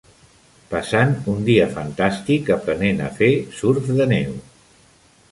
Passant un dia fantàstic aprenent a fer surf de neu.